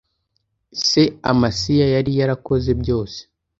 Se amasiya yari yarakoze byose